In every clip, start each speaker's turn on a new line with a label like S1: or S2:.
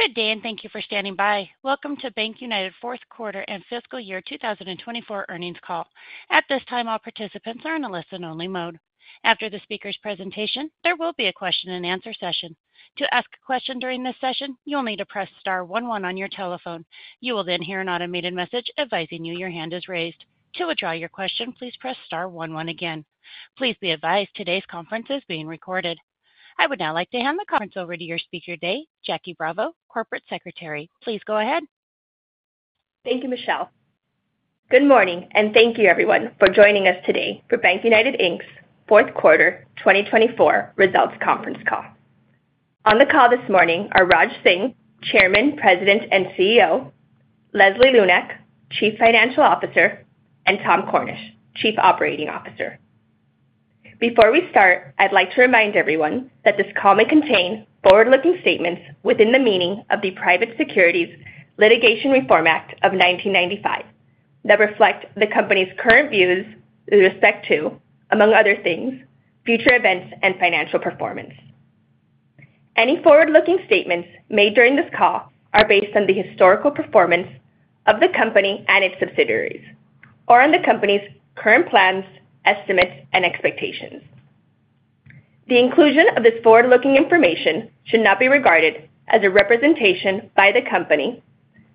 S1: Good day, and thank you for standing by. Welcome to BankUnited's Fourth Quarter and Fiscal Year 2024 Earnings Call. At this time, all participants are in a listen-only mode. After the speaker's presentation, there will be a question-and-answer session. To ask a question during this session, you'll need to press star one one on your telephone. You will then hear an automated message advising you your hand is raised. To withdraw your question, please press star one one again. Please be advised today's conference is being recorded. I would now like to hand the conference over to your speaker today, Jacqui Bravo, Corporate Secretary. Please go ahead.
S2: Thank you, Michelle. Good morning, and thank you, everyone, for joining us today for BankUnited, Inc.'s Fourth Quarter 2024 Results Conference Call. On the call this morning are Raj Singh, Chairman, President, and CEO, Leslie Lunak, Chief Financial Officer, and Tom Cornish, Chief Operating Officer. Before we start, I'd like to remind everyone that this call may contain forward-looking statements within the meaning of the Private Securities Litigation Reform Act of 1995 that reflect the company's current views with respect to, among other things, future events and financial performance. Any forward-looking statements made during this call are based on the historical performance of the company and its subsidiaries, or on the company's current plans, estimates, and expectations. The inclusion of this forward-looking information should not be regarded as a representation by the company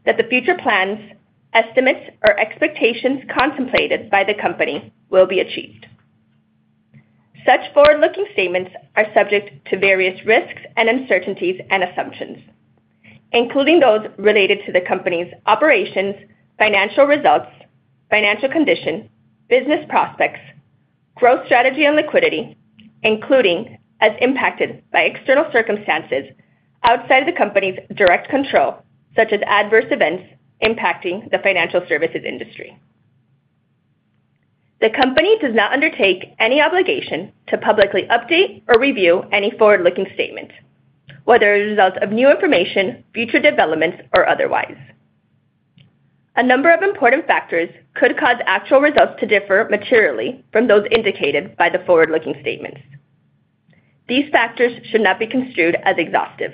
S2: that the future plans, estimates, or expectations contemplated by the company will be achieved. Such forward-looking statements are subject to various risks and uncertainties and assumptions, including those related to the company's operations, financial results, financial condition, business prospects, growth strategy, and liquidity, including as impacted by external circumstances outside of the company's direct control, such as adverse events impacting the financial services industry. The company does not undertake any obligation to publicly update or review any forward-looking statement, whether it results in new information, future developments, or otherwise. A number of important factors could cause actual results to differ materially from those indicated by the forward-looking statements. These factors should not be construed as exhaustive.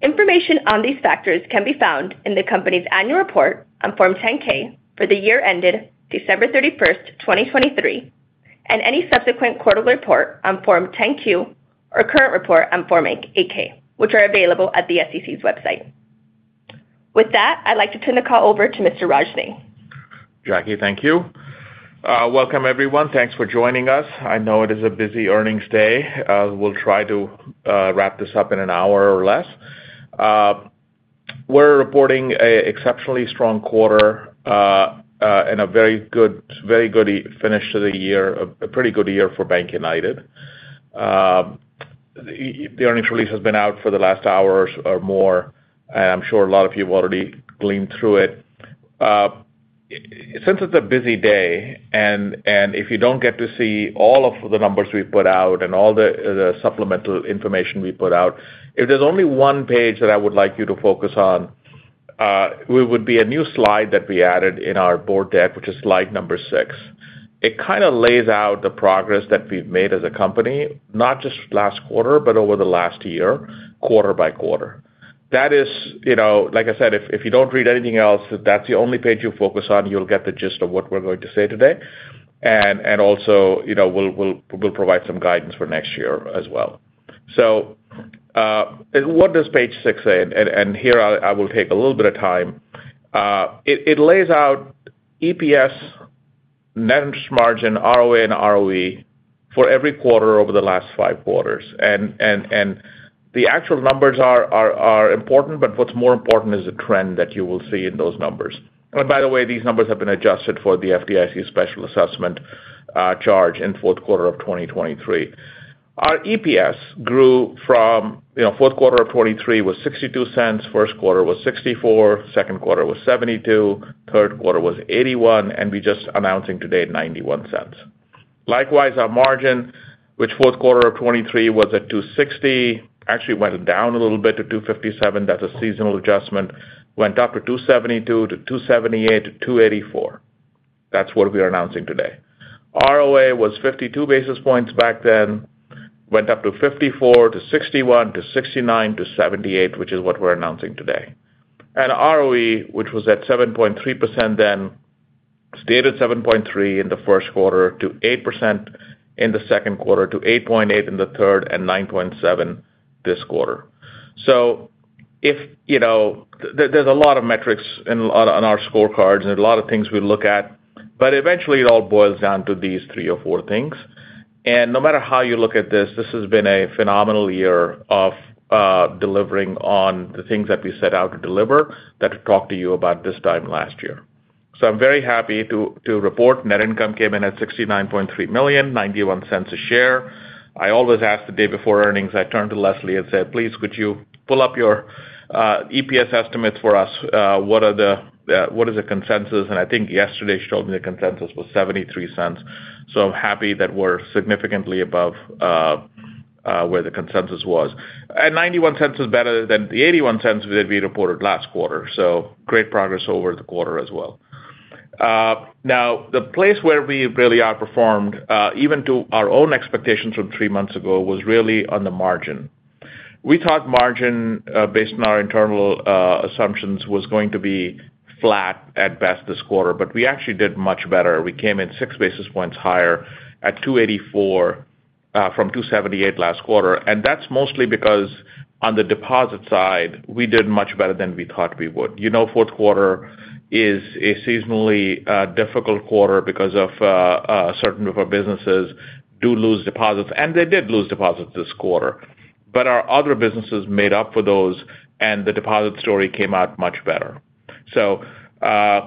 S2: Information on these factors can be found in the company's annual report on Form 10-K for the year ended December 31st, 2023, and any subsequent quarterly report on Form 10-Q or current report on Form 8-K, which are available at the SEC's website. With that, I'd like to turn the call over to Mr. Raj Singh.
S3: Jacqui, thank you. Welcome, everyone. Thanks for joining us. I know it is a busy earnings day. We'll try to wrap this up in an hour or less. We're reporting an exceptionally strong quarter and a very good finish to the year, a pretty good year for BankUnited. The earnings release has been out for the last hour or more, and I'm sure a lot of you have already gleaned through it. Since it's a busy day, and if you don't get to see all of the numbers we put out and all the supplemental information we put out, if there's only one page that I would like you to focus on, it would be a new slide that we added in our board deck, which is slide number six. It kind of lays out the progress that we've made as a company, not just last quarter, but over the last year, quarter by quarter. That is, like I said, if you don't read anything else, that's the only page you focus on, you'll get the gist of what we're going to say today, and also we'll provide some guidance for next year as well, so what does page six say, and here I will take a little bit of time. It lays out EPS, net interest margin, ROA, and ROE for every quarter over the last five quarters, and the actual numbers are important, but what's more important is the trend that you will see in those numbers, and by the way, these numbers have been adjusted for the FDIC special assessment charge in fourth quarter of 2023. Our EPS grew from fourth quarter of 2023 was $0.62, first quarter was $0.64, second quarter was $0.72, third quarter was $0.81, and we're just announcing today $0.91. Likewise, our margin, which fourth quarter of 2023 was at 260, actually went down a little bit to 257. That's a seasonal adjustment. Went up to 272, to 278, to 284. That's what we're announcing today. ROA was 52 basis points back then, went up to 54, to 61, to 69, to 78, which is what we're announcing today. And ROE, which was at 7.3% then, stayed at 7.3% in the first quarter, to 8% in the second quarter, to 8.8% in the third, and 9.7% this quarter. So there's a lot of metrics on our scorecards and a lot of things we look at, but eventually, it all boils down to these three or four things. No matter how you look at this, this has been a phenomenal year of delivering on the things that we set out to deliver that I talked to you about this time last year. I'm very happy to report net income came in at $69.3 million, $0.91 a share. I always ask the day before earnings. I turned to Leslie and said, "Please, could you pull up your EPS estimates for us? What is the consensus?" I think yesterday she told me the consensus was $0.73. I'm happy that we're significantly above where the consensus was. $0.91 is better than the $0.81 that we reported last quarter. Great progress over the quarter as well. The place where we really outperformed, even to our own expectations from three months ago, was really on the margin. We thought margin, based on our internal assumptions, was going to be flat at best this quarter, but we actually did much better. We came in six basis points higher at 284 from 278 last quarter, and that's mostly because, on the deposit side, we did much better than we thought we would. You know, fourth quarter is a seasonally difficult quarter because a certain number of businesses do lose deposits, and they did lose deposits this quarter, but our other businesses made up for those, and the deposit story came out much better, so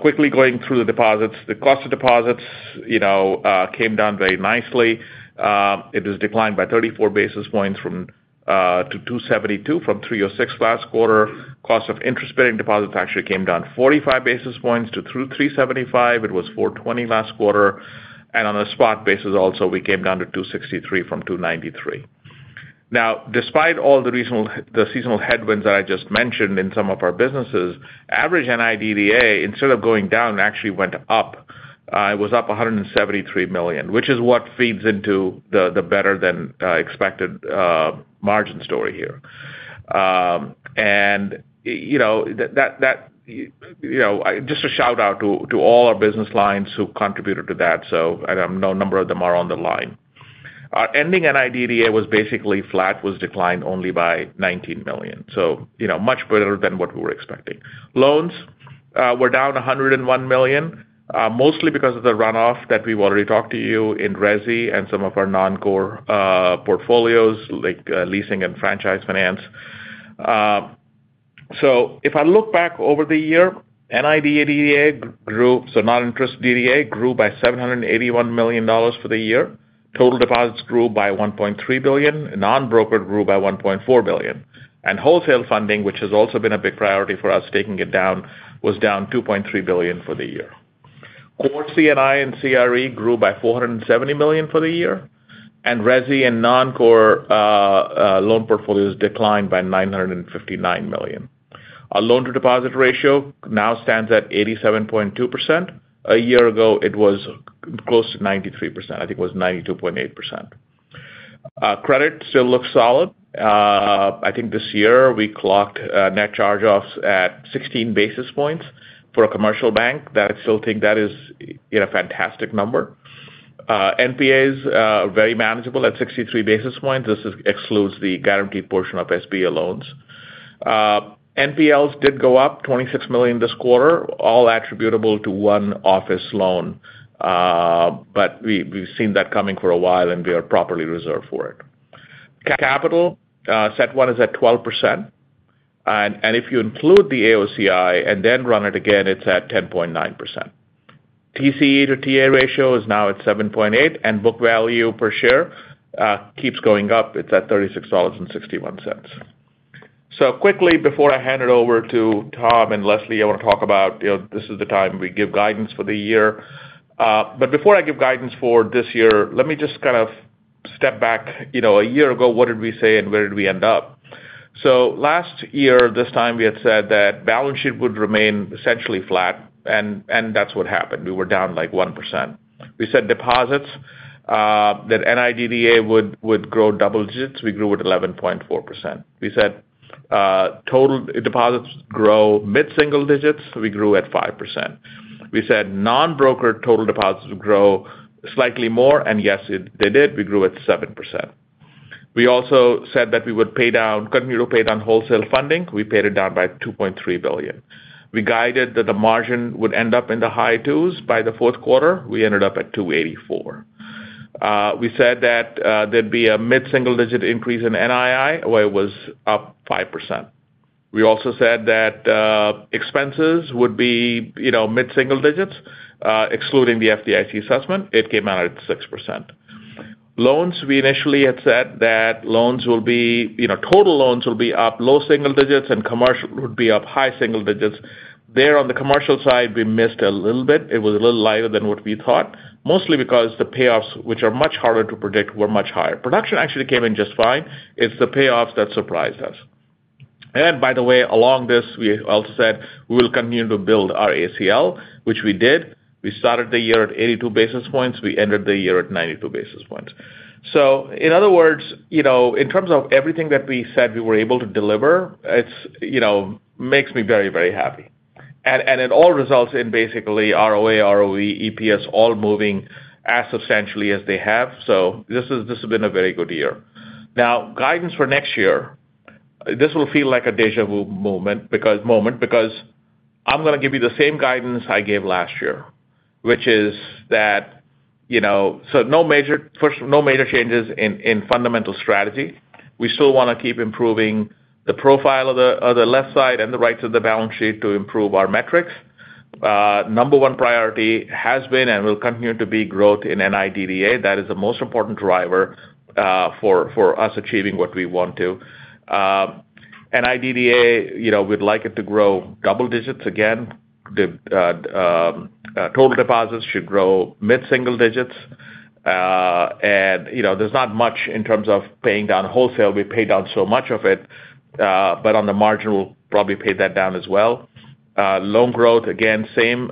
S3: quickly going through the deposits, the cost of deposits came down very nicely. It has declined by 34 basis points to 272 from 306 last quarter. Cost of interest-bearing deposits actually came down 45 basis points to 375. It was 420 last quarter. On a spot basis also, we came down to 263 from 293. Now, despite all the seasonal headwinds that I just mentioned in some of our businesses, average non-interest DDA, instead of going down, actually went up. It was up $173 million, which is what feeds into the better-than-expected margin story here. Just a shout-out to all our business lines who contributed to that, and none of them are on the line. Our ending non-interest DDA was basically flat, was declined only by $19 million. Much better than what we were expecting. Loans were down $101 million, mostly because of the runoff that we've already talked to you in resi and some of our non-core portfolios, like leasing and franchise finance. If I look back over the year, non-interest DDA grew, so non-interest DDA grew by $781 million for the year. Total deposits grew by $1.3 billion. Non-brokered grew by $1.4 billion. And wholesale funding, which has also been a big priority for us, taking it down, was down $2.3 billion for the year. Core, C&I, and CRE grew by $470 million for the year. And resi and non-core loan portfolios declined by $959 million. Our loan-to-deposit ratio now stands at 87.2%. A year ago, it was close to 93%. I think it was 92.8%. Credit still looks solid. I think this year, we clocked net charge-offs at 16 basis points for a commercial bank. I still think that is a fantastic number. NPAs are very manageable at 63 basis points. This excludes the guaranteed portion of SBA loans. NPLs did go up $26 million this quarter, all attributable to one office loan. But we've seen that coming for a while, and we are properly reserved for it. CET1 is at 12%. And if you include the AOCI and then run it again, it's at 10.9%. TCE to TA ratio is now at 7.8, and book value per share keeps going up. It's at $36.61. So quickly, before I hand it over to Tom and Leslie, I want to talk about. This is the time we give guidance for the year. But before I give guidance for this year, let me just kind of step back. A year ago, what did we say, and where did we end up? So last year, this time, we had said that balance sheet would remain essentially flat, and that's what happened. We were down like 1%. We said deposits, that non-interest DDA would grow double digits. We grew at 11.4%. We said total deposits grow mid-single digits. We grew at 5%. We said non-brokered total deposits would grow slightly more, and yes, they did. We grew at 7%. We also said that we would continue to pay down wholesale funding. We paid it down by $2.3 billion. We guided that the margin would end up in the high twos by the fourth quarter. We ended up at 284. We said that there'd be a mid-single digit increase in NII, where it was up 5%. We also said that expenses would be mid-single digits, excluding the FDIC assessment. It came out at 6%. Loans, we initially had said that total loans will be up low single digits, and commercial would be up high single digits. There on the commercial side, we missed a little bit. It was a little lighter than what we thought, mostly because the payoffs, which are much harder to predict, were much higher. Production actually came in just fine. It's the payoffs that surprised us. And by the way, along this, we also said we will continue to build our ACL, which we did. We started the year at 82 basis points. We ended the year at 92 basis points. So in other words, in terms of everything that we said we were able to deliver, it makes me very, very happy. And it all results in basically ROA, ROE, EPS all moving as substantially as they have. So this has been a very good year. Now, guidance for next year, this will feel like a déjà vu moment because I'm going to give you the same guidance I gave last year, which is that, so no major changes in fundamental strategy. We still want to keep improving the profile of the left side and the right side of the balance sheet to improve our metrics. Number one priority has been and will continue to be growth in non-interest DDA. That is the most important driver for us achieving what we want to. non-interest DDA, we'd like it to grow double digits again. Total deposits should grow mid-single digits, and there's not much in terms of paying down wholesale. We paid down so much of it, but on the margin, we'll probably pay that down as well. Loan growth, again, same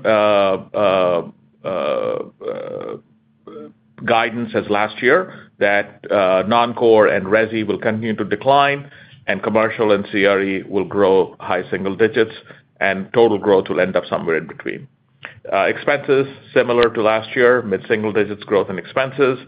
S3: guidance as last year, that non-core and resi will continue to decline, and commercial and CRE will grow high single digits, and total growth will end up somewhere in between. Expenses, similar to last year, mid-single digits growth in expenses,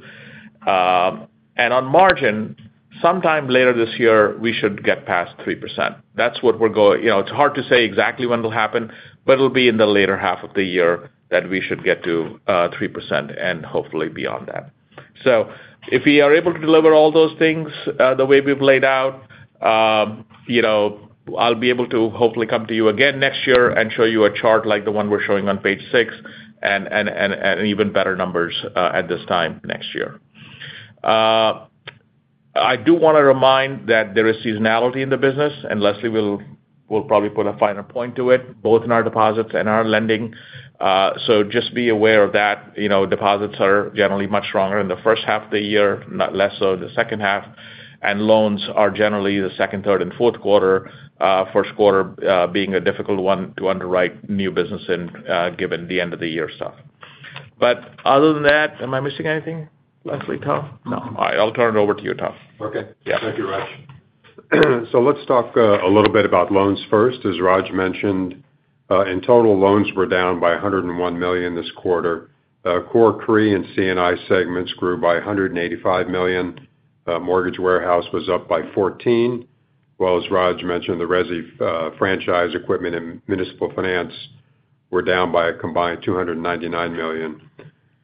S3: and on margin, sometime later this year, we should get past 3%. That's what we're going to. It's hard to say exactly when it'll happen, but it'll be in the later half of the year that we should get to 3% and hopefully beyond that. So if we are able to deliver all those things the way we've laid out, I'll be able to hopefully come to you again next year and show you a chart like the one we're showing on page six and even better numbers at this time next year. I do want to remind that there is seasonality in the business, and Leslie will probably put a finer point to it, both in our deposits and our lending. So just be aware of that. Deposits are generally much stronger in the first half of the year, not less so the second half. Loans are generally the second, third, and fourth quarter, first quarter being a difficult one to underwrite new business in given the end of the year stuff. But other than that, am I missing anything, Leslie, Tom? No. All right. I'll turn it over to you, Tom. Okay.
S4: Thank you, Raj. So let's talk a little bit about loans first. As Raj mentioned, in total, loans were down by $101 million this quarter. Core, CRE, and C&I segments grew by $185 million. Mortgage warehouse was up by $14 million, while as Raj mentioned, the Resi, franchise, equipment and municipal finance were down by a combined $299 million.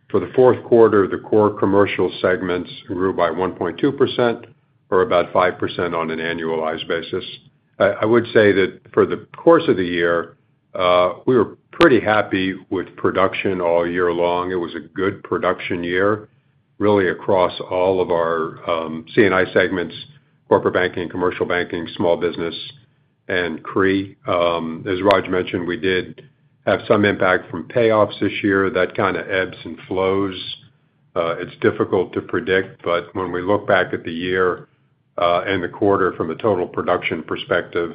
S4: For the fourth quarter, the core commercial segments grew by 1.2% or about 5% on an annualized basis. I would say that over the course of the year, we were pretty happy with production all year long. It was a good production year, really, across all of our C&I segments, corporate banking, commercial banking, small business, and CRE. As Raj mentioned, we did have some impact from payoffs this year. That kind of ebbs and flows. It's difficult to predict, but when we look back at the year and the quarter from a total production perspective,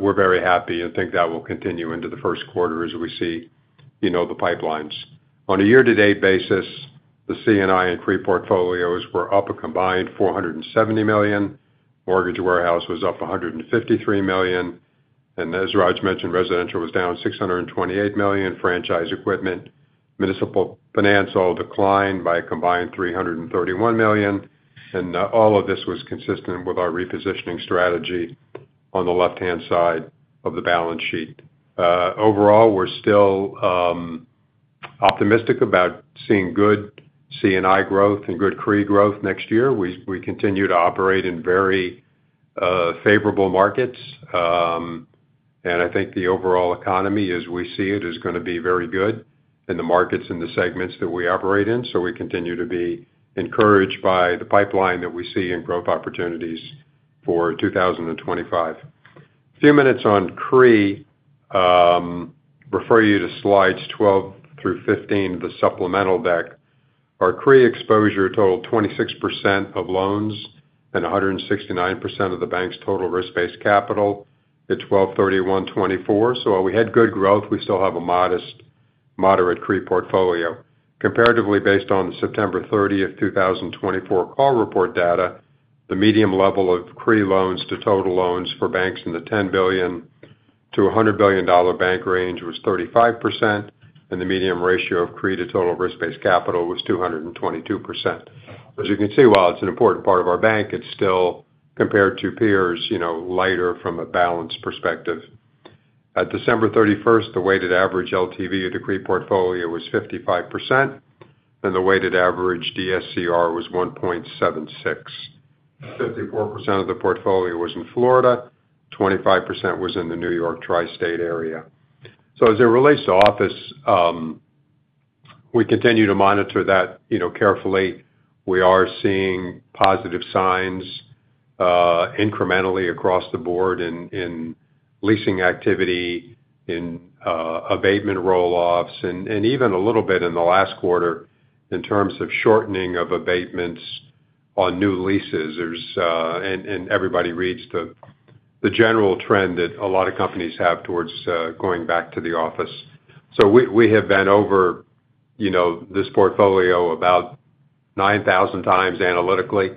S4: we're very happy and think that will continue into the first quarter as we see the pipelines. On a year-to-date basis, the C&I and CRE portfolios were up a combined $470 million. Mortgage warehouse was up $153 million. And as Raj mentioned, residential was down $628 million. Franchise equipment, municipal finance all declined by a combined $331 million. And all of this was consistent with our repositioning strategy on the left-hand side of the balance sheet. Overall, we're still optimistic about seeing good C&I growth and good CRE growth next year. We continue to operate in very favorable markets, and I think the overall economy, as we see it, is going to be very good in the markets and the segments that we operate in, so we continue to be encouraged by the pipeline that we see and growth opportunities for 2025. A few minutes on CRE; refer you to slides 12 through 15 of the supplemental deck. Our CRE exposure totaled 26% of loans and 169% of the bank's total risk-based capital. It's 12/31/24, so we had good growth. We still have a moderate CRE portfolio. Comparatively, based on the September 30, 2024 Call Report data, the median level of CRE loans to total loans for banks in the $10 billion-$100 billion bank range was 35%, and the median ratio of CRE to total risk-based capital was 222%. As you can see, while it's an important part of our bank, it's still, compared to peers, lighter from a balance perspective. At December 31st, the weighted average LTV of the CRE portfolio was 55%, and the weighted average DSCR was 1.76. 54% of the portfolio was in Florida. 25% was in the New York Tri-State area. So as it relates to office, we continue to monitor that carefully. We are seeing positive signs incrementally across the board in leasing activity, in abatement rolloffs, and even a little bit in the last quarter in terms of shortening of abatements on new leases. And everybody reads the general trend that a lot of companies have towards going back to the office. So we have been over this portfolio about 9,000 times analytically.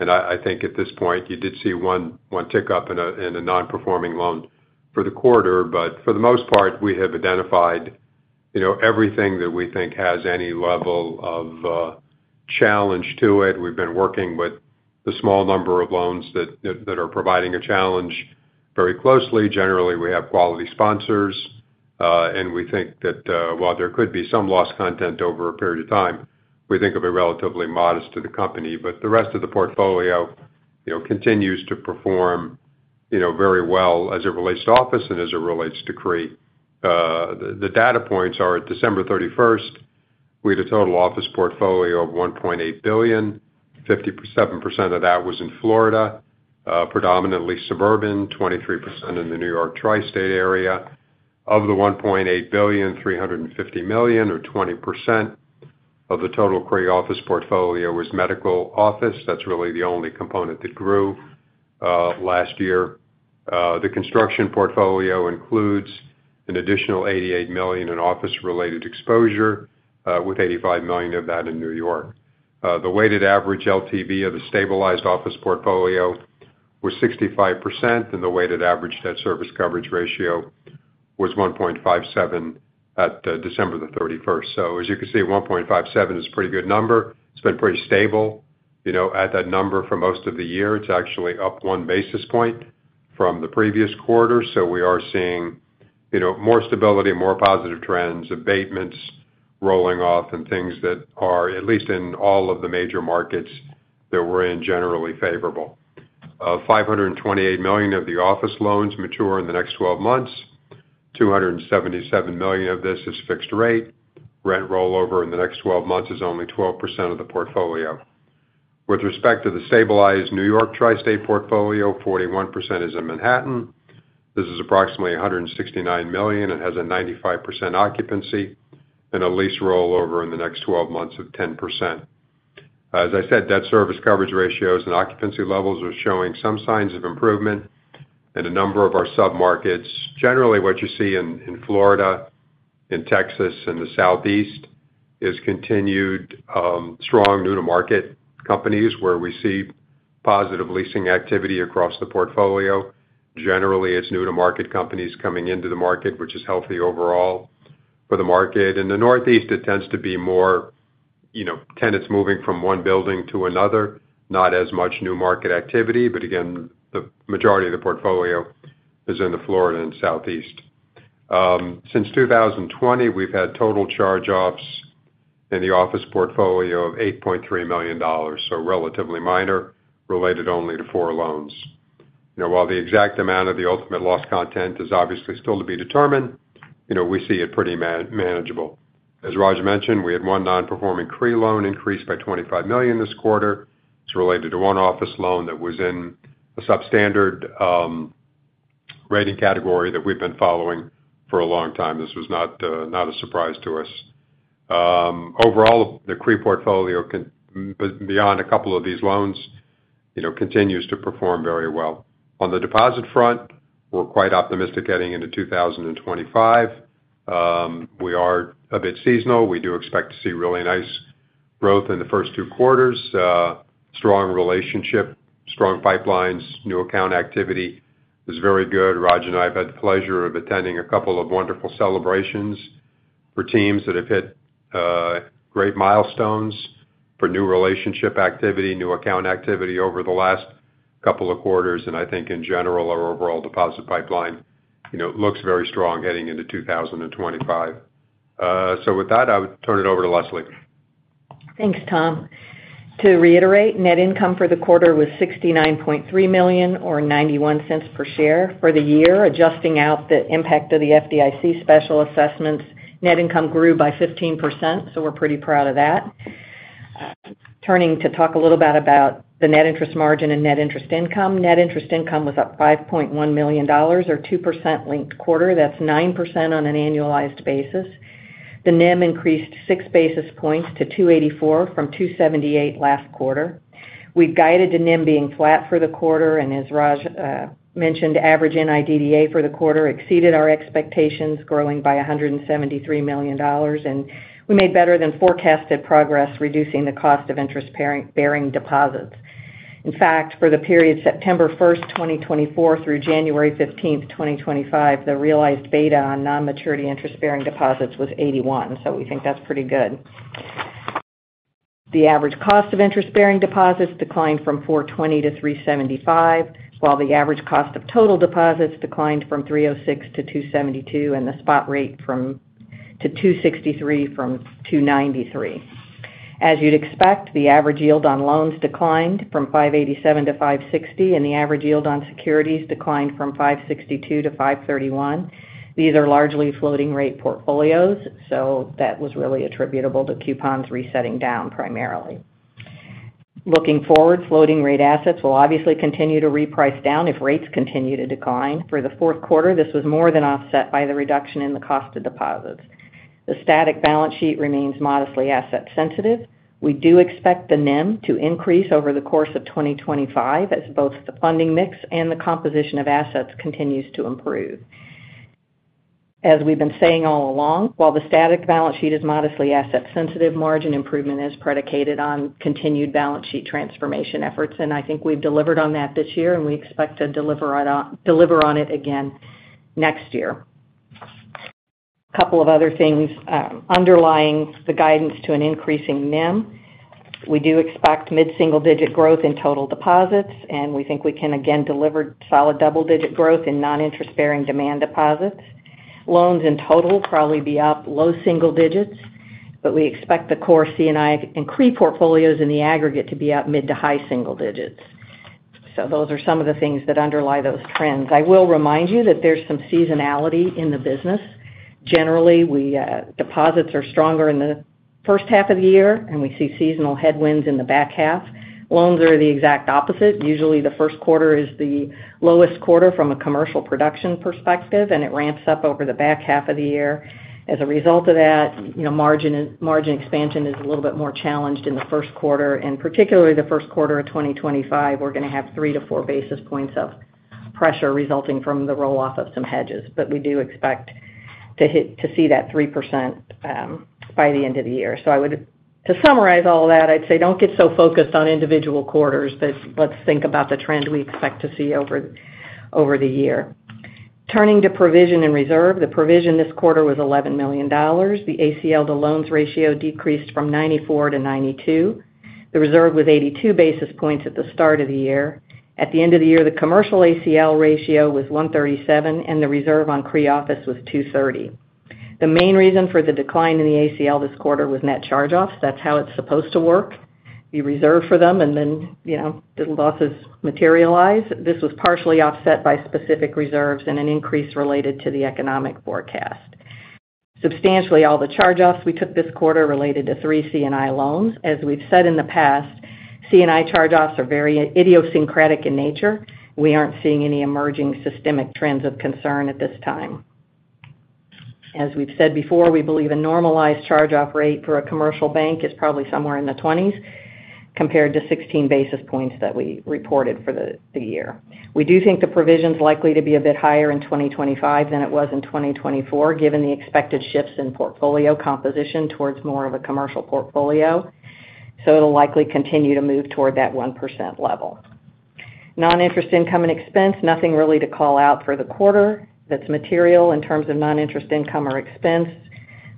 S4: And I think at this point, you did see one tick up in a non-performing loan for the quarter. But for the most part, we have identified everything that we think has any level of challenge to it. We've been working with a small number of loans that are providing a challenge very closely. Generally, we have quality sponsors. And we think that while there could be some losses over a period of time, we think it'll be relatively modest to the company. But the rest of the portfolio continues to perform very well as it relates to office and as it relates to CRE. The data points are at December 31st, we had a total office portfolio of $1.8 billion. 57% of that was in Florida, predominantly suburban, 23% in the New York Tri-State area. Of the $1.8 billion, $350 million, or 20% of the total CRE office portfolio was medical office. That's really the only component that grew last year. The construction portfolio includes an additional $88 million in office-related exposure, with $85 million of that in New York. The weighted average LTV of the stabilized office portfolio was 65%, and the weighted average debt service coverage ratio was 1.57 at December the 31st. So as you can see, 1.57 is a pretty good number. It's been pretty stable. At that number for most of the year, it's actually up one basis point from the previous quarter. So we are seeing more stability, more positive trends, abatements rolling off, and things that are, at least in all of the major markets that we're in, generally favorable. $528 million of the office loans mature in the next 12 months. $277 million of this is fixed rate. Rent rollover in the next 12 months is only 12% of the portfolio. With respect to the stabilized New York Tri-State portfolio, 41% is in Manhattan. This is approximately $169 million and has a 95% occupancy and a lease rollover in the next 12 months of 10%. As I said, debt service coverage ratios and occupancy levels are showing some signs of improvement, and a number of our sub-markets, generally what you see in Florida, in Texas, and the Southeast, is continued strong new-to-market companies where we see positive leasing activity across the portfolio. Generally, it's new-to-market companies coming into the market, which is healthy overall for the market. In the Northeast, it tends to be more tenants moving from one building to another, not as much new market activity, but again, the majority of the portfolio is in the Florida and Southeast. Since 2020, we've had total charge-offs in the office portfolio of $8.3 million, so relatively minor, related only to four loans. While the exact amount of the ultimate lost content is obviously still to be determined, we see it pretty manageable. As Raj mentioned, we had one non-performing CRE loan increased by $25 million this quarter. It's related to one office loan that was in a substandard rating category that we've been following for a long time. This was not a surprise to us. Overall, the CRE portfolio, beyond a couple of these loans, continues to perform very well. On the deposit front, we're quite optimistic heading into 2025. We are a bit seasonal. We do expect to see really nice growth in the first two quarters. Strong relationship, strong pipelines, new account activity is very good. Raj and I have had the pleasure of attending a couple of wonderful celebrations for teams that have hit great milestones for new relationship activity, new account activity over the last couple of quarters. And I think in general, our overall deposit pipeline looks very strong heading into 2025. So with that, I would turn it over to Leslie.
S5: Thanks, Tom. To reiterate, net income for the quarter was $69.3 million or $0.91 per share for the year. Adjusting out the impact of the FDIC special assessments, net income grew by 15%. So we're pretty proud of that. Turning to talk a little bit about the net interest margin and net interest income. Net interest income was up $5.1 million or 2% linked quarter. That's 9% on an annualized basis. The NIM increased 6 basis points to 284 from 278 last quarter. We guided the NIM being flat for the quarter. And as Raj mentioned, average non-interest DDA for the quarter exceeded our expectations, growing by $173 million. And we made better than forecasted progress, reducing the cost of interest-bearing deposits. In fact, for the period September 1, 2024 through January 15, 2025, the realized beta on non-maturity interest-bearing deposits was 81. So we think that's pretty good. The average cost of interest-bearing deposits declined from 420 to 375, while the average cost of total deposits declined from 306 to 272, and the spot rate to 263 from 293. As you'd expect, the average yield on loans declined from 587 to 560, and the average yield on securities declined from 562 to 531. These are largely floating-rate portfolios. So that was really attributable to coupons resetting down primarily. Looking forward, floating-rate assets will obviously continue to reprice down if rates continue to decline. For the fourth quarter, this was more than offset by the reduction in the cost of deposits. The static balance sheet remains modestly asset-sensitive. We do expect the NIM to increase over the course of 2025 as both the funding mix and the composition of assets continues to improve. As we've been saying all along, while the static balance sheet is modestly asset-sensitive, margin improvement is predicated on continued balance sheet transformation efforts, and I think we've delivered on that this year, and we expect to deliver on it again next year. A couple of other things underlying the guidance to an increasing NIM. We do expect mid-single-digit growth in total deposits, and we think we can again deliver solid double-digit growth in non-interest-bearing demand deposits. Loans in total probably be up low single digits, but we expect the core C&I and CRE portfolios in the aggregate to be up mid to high single digits. So those are some of the things that underlie those trends. I will remind you that there's some seasonality in the business. Generally, deposits are stronger in the first half of the year, and we see seasonal headwinds in the back half. Loans are the exact opposite. Usually, the first quarter is the lowest quarter from a commercial production perspective, and it ramps up over the back half of the year. As a result of that, margin expansion is a little bit more challenged in the first quarter. And particularly the first quarter of 2025, we're going to have three to four basis points of pressure resulting from the rolloff of some hedges. But we do expect to see that 3% by the end of the year. So to summarize all of that, I'd say don't get so focused on individual quarters, but let's think about the trend we expect to see over the year. Turning to provision and reserve, the provision this quarter was $11 million. The ACL to loans ratio decreased from 94 to 92. The reserve was 82 basis points at the start of the year. At the end of the year, the commercial ACL ratio was 137, and the reserve on CRE office was 230. The main reason for the decline in the ACL this quarter was net charge-offs. That's how it's supposed to work. You reserve for them, and then the losses materialize. This was partially offset by specific reserves and an increase related to the economic forecast. Substantially, all the charge-offs we took this quarter related to three C&I loans. As we've said in the past, C&I charge-offs are very idiosyncratic in nature. We aren't seeing any emerging systemic trends of concern at this time. As we've said before, we believe a normalized charge-off rate for a commercial bank is probably somewhere in the 20s compared to 16 basis points that we reported for the year. We do think the provision's likely to be a bit higher in 2025 than it was in 2024, given the expected shifts in portfolio composition towards more of a commercial portfolio. So it'll likely continue to move toward that 1% level. Non-interest income and expense, nothing really to call out for the quarter that's material in terms of non-interest income or expense.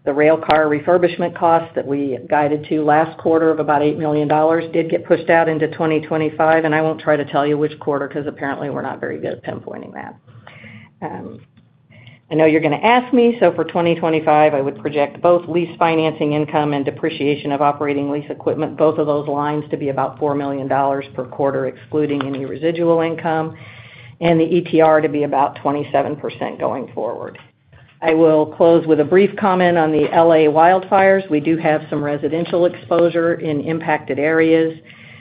S5: The railcar refurbishment costs that we guided to last quarter of about $8 million did get pushed out into 2025, and I won't try to tell you which quarter because apparently we're not very good at pinpointing that. I know you're going to ask me, so for 2025, I would project both lease financing income and depreciation of operating lease equipment, both of those lines to be about $4 million per quarter, excluding any residual income, and the ETR to be about 27% going forward. I will close with a brief comment on the LA wildfires. We do have some residential exposure in impacted areas.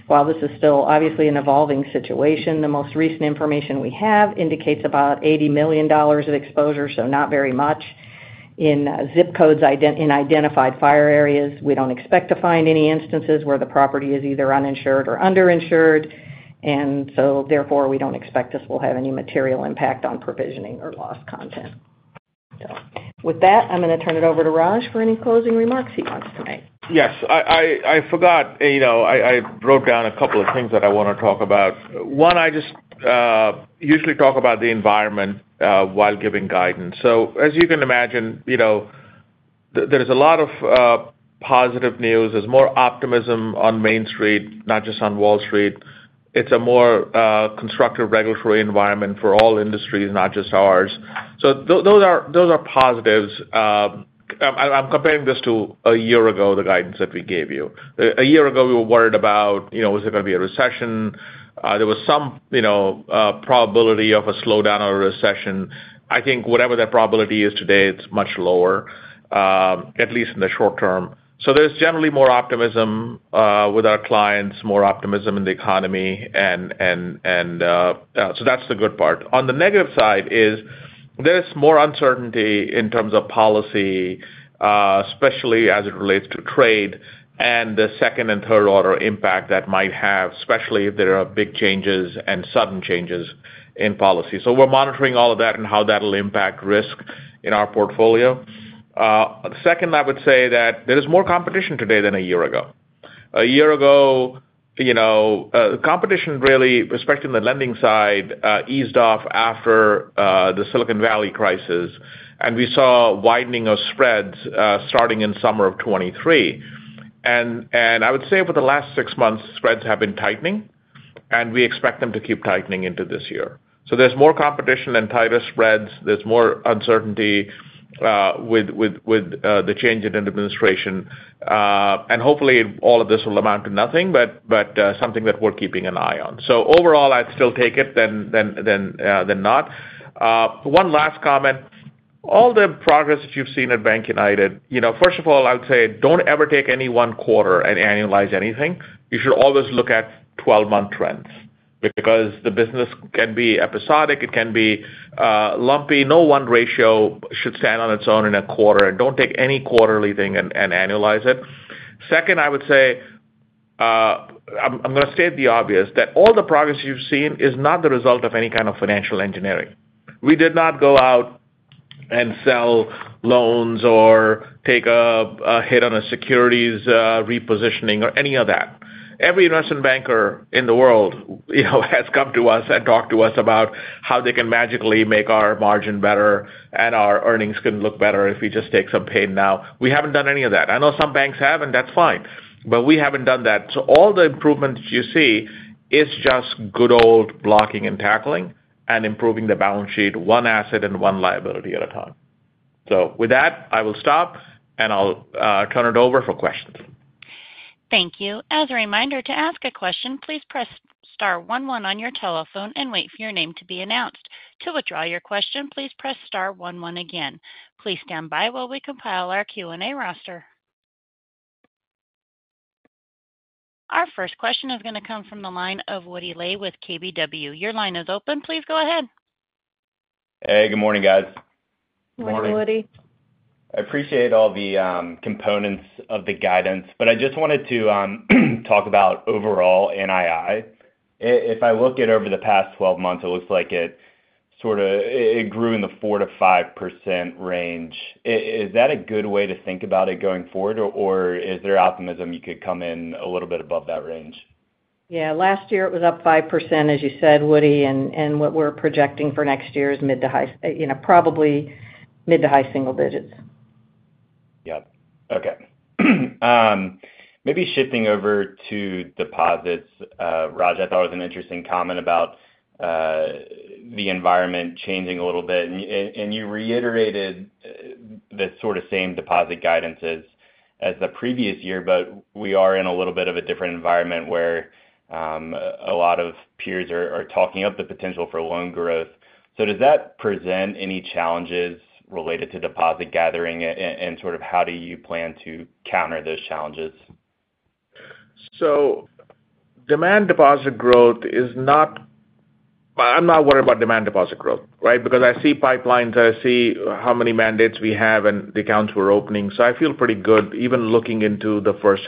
S5: While this is still obviously an evolving situation, the most recent information we have indicates about $80 million of exposure, so not very much. In zip codes in identified fire areas, we don't expect to find any instances where the property is either uninsured or underinsured, and so therefore, we don't expect this will have any material impact on provisioning or lost content. With that, I'm going to turn it over to Raj for any closing remarks he wants to make.
S3: Yes. I forgot. I wrote down a couple of things that I want to talk about. One, I just usually talk about the environment while giving guidance. So as you can imagine, there's a lot of positive news. There's more optimism on Main Street, not just on Wall Street. It's a more constructive regulatory environment for all industries, not just ours. So those are positives. I'm comparing this to a year ago, the guidance that we gave you. A year ago, we were worried about, was there going to be a recession? There was some probability of a slowdown or a recession. I think whatever that probability is today, it's much lower, at least in the short term. So there's generally more optimism with our clients, more optimism in the economy. And so that's the good part. On the negative side is, there's more uncertainty in terms of policy, especially as it relates to trade and the second and third-order impact that might have, especially if there are big changes and sudden changes in policy. So we're monitoring all of that and how that will impact risk in our portfolio. The second, I would say that there is more competition today than a year ago. A year ago, competition really, especially on the lending side, eased off after the Silicon Valley crisis. And we saw widening of spreads starting in summer of 2023. And I would say for the last six months, spreads have been tightening, and we expect them to keep tightening into this year. So there's more competition and tighter spreads. There's more uncertainty with the change in administration. And hopefully, all of this will amount to nothing, but something that we're keeping an eye on. So overall, I'd still take it than not. One last comment. All the progress that you've seen at BankUnited, first of all, I would say don't ever take any one quarter and annualize anything. You should always look at 12-month trends because the business can be episodic. It can be lumpy. No one ratio should stand on its own in a quarter. And don't take any quarterly thing and annualize it. Second, I would say I'm going to state the obvious that all the progress you've seen is not the result of any kind of financial engineering. We did not go out and sell loans or take a hit on a securities repositioning or any of that. Every investment banker in the world has come to us and talked to us about how they can magically make our margin better and our earnings can look better if we just take some pain now. We haven't done any of that. I know some banks have, and that's fine. But we haven't done that. So all the improvement you see is just good old blocking and tackling and improving the balance sheet, one asset and one liability at a time. So with that, I will stop, and I'll turn it over for questions.
S1: Thank you. As a reminder, to ask a question, please press star 11 on your telephone and wait for your name to be announced. To withdraw your question, please press star 11 again. Please stand by while we compile our Q&A roster. Our first question is going to come from the line of Woody Lay with KBW. Your line is open. Please go ahead.
S6: Hey, good morning, guys.
S5: Morning, Woody.
S6: I appreciate all the components of the guidance, but I just wanted to talk about overall NII. If I look at over the past 12 months, it looks like it sort of grew in the 4%-5% range. Is that a good way to think about it going forward, or is there optimism you could come in a little bit above that range?
S5: Yeah. Last year, it was up 5%, as you said, Woody. And what we're projecting for next year is mid to high, probably mid to high single digits.
S6: Yep. Okay. Maybe shifting over to deposits. Raj, I thought it was an interesting comment about the environment changing a little bit. And you reiterated the sort of same deposit guidance as the previous year, but we are in a little bit of a different environment where a lot of peers are talking up the potential for loan growth. So does that present any challenges related to deposit gathering and sort of how do you plan to counter those challenges?
S3: I'm not worried about demand deposit growth, right? Because I see pipelines. I see how many mandates we have and the accounts we're opening. So I feel pretty good even looking into the first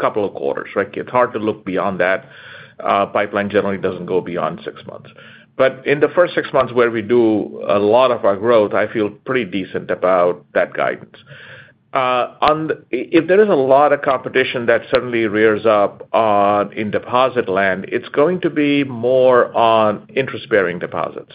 S3: couple of quarters, right? It's hard to look beyond that. Pipeline generally doesn't go beyond six months. But in the first six months where we do a lot of our growth, I feel pretty decent about that guidance. If there is a lot of competition that suddenly rears up in deposit land, it's going to be more on interest-bearing deposits.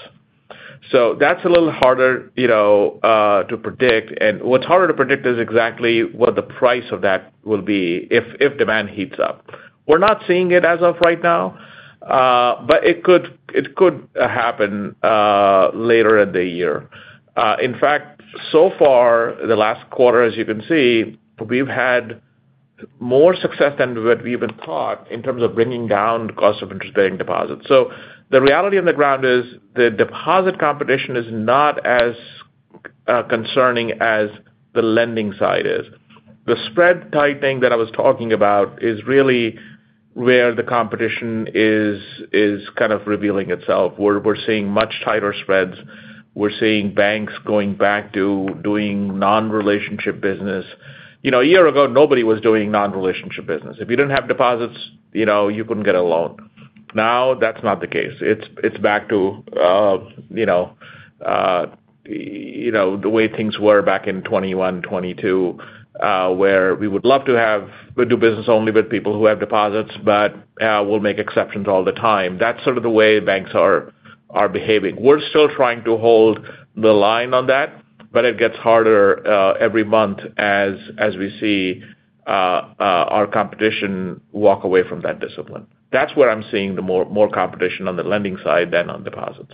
S3: So that's a little harder to predict. And what's harder to predict is exactly what the price of that will be if demand heats up. We're not seeing it as of right now, but it could happen later in the year. In fact, so far, the last quarter, as you can see, we've had more success than what we even thought in terms of bringing down the cost of interest-bearing deposits. So the reality on the ground is the deposit competition is not as concerning as the lending side is. The spread tightening that I was talking about is really where the competition is kind of revealing itself. We're seeing much tighter spreads. We're seeing banks going back to doing non-relationship business. A year ago, nobody was doing non-relationship business. If you didn't have deposits, you couldn't get a loan. Now, that's not the case. It's back to the way things were back in 2021, 2022, where we would love to do business only with people who have deposits, but we'll make exceptions all the time. That's sort of the way banks are behaving. We're still trying to hold the line on that, but it gets harder every month as we see our competition walk away from that discipline. That's where I'm seeing more competition on the lending side than on deposits.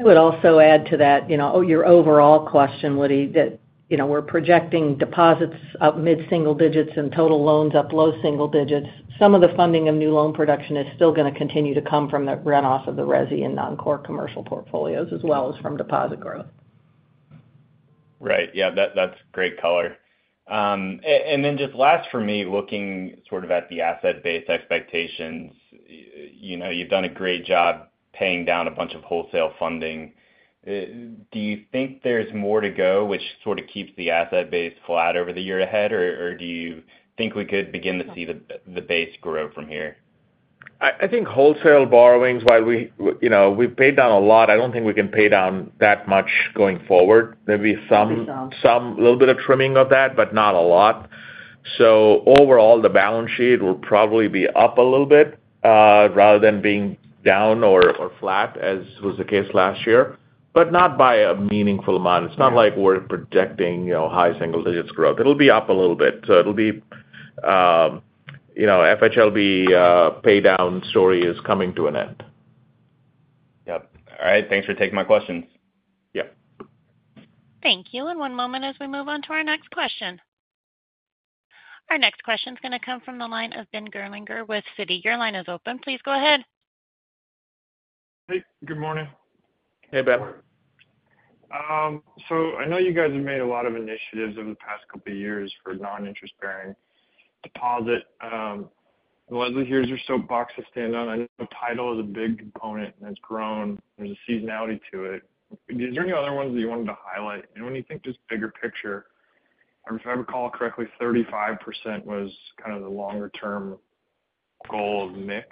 S5: I would also add to that your overall question, Woody, that we're projecting deposits up mid-single digits and total loans up low single digits. Some of the funding of new loan production is still going to continue to come from the runoff of the resi and non-core commercial portfolios as well as from deposit growth.
S6: Right. Yeah. That's great color. And then just last for me, looking sort of at the asset-based expectations, you've done a great job paying down a bunch of wholesale funding. Do you think there's more to go, which sort of keeps the asset base flat over the year ahead, or do you think we could begin to see the base grow from here?
S3: I think wholesale borrowings, while we've paid down a lot, I don't think we can pay down that much going forward. There'll be some little bit of trimming of that, but not a lot. So overall, the balance sheet will probably be up a little bit rather than being down or flat, as was the case last year, but not by a meaningful amount. It's not like we're projecting high single digits growth. It'll be up a little bit. So it'll be FHLB pay down story is coming to an end.
S6: Yep. All right. Thanks for taking my questions.
S3: Yeah.
S1: Thank you. One moment as we move on to our next question. Our next question is going to come from the line of Ben Gerlinger with Citi. Your line is open. Please go ahead.
S7: Hey. Good morning.
S3: Hey, Ben.
S7: So I know you guys have made a lot of initiatives over the past couple of years for non-interest-bearing deposit. Leslie, here's your soapbox to stand on. I know title is a big component, and it's grown. There's a seasonality to it. Is there any other ones that you wanted to highlight? And when you think this bigger picture, if I recall correctly, 35% was kind of the longer-term goal of mix.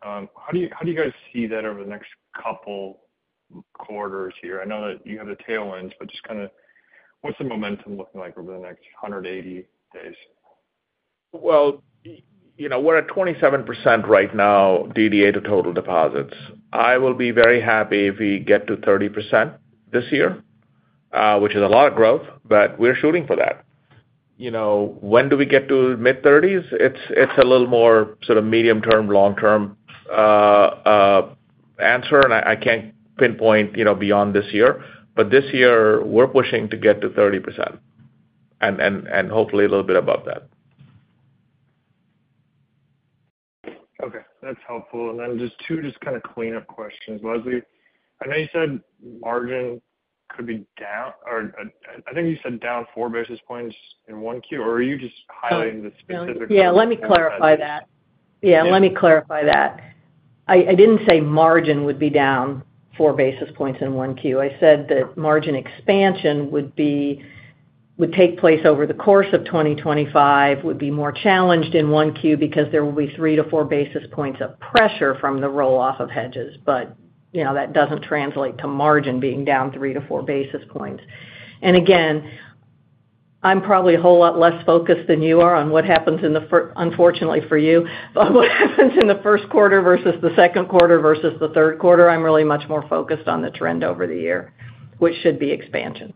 S7: How do you guys see that over the next couple of quarters here? I know that you have the tailwinds, but just kind of what's the momentum looking like over the next 180 days?
S3: We're at 27% right now, DDA to total deposits. I will be very happy if we get to 30% this year, which is a lot of growth, but we're shooting for that. When do we get to mid-30s? It's a little more sort of medium-term, long-term answer, and I can't pinpoint beyond this year. But this year, we're pushing to get to 30% and hopefully a little bit above that.
S7: Okay. That's helpful. And then just two kind of cleanup questions. Leslie, I know you said margin could be down or I think you said down four basis points in one Q, or are you just highlighting the specific margin?
S5: Yeah. Let me clarify that. I didn't say margin would be down four basis points in one Q. I said that margin expansion would take place over the course of 2025, would be more challenged in one Q because there will be three to four basis points of pressure from the roll-off of hedges. But that doesn't translate to margin being down three to four basis points. And again, I'm probably a whole lot less focused than you are on what happens in the, unfortunately for you, but what happens in the first quarter versus the second quarter versus the third quarter. I'm really much more focused on the trend over the year, which should be expansion.